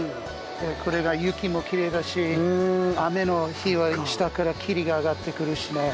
これが雪も奇麗だし雨の日は下から霧が上がって来るしね。